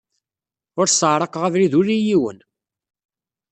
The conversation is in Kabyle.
Ur sseɛraqeɣ abrid ula i yiwen.